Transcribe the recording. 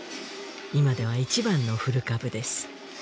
今では一番の古株です